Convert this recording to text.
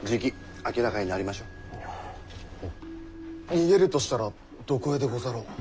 逃げるとしたらどこへでござろう？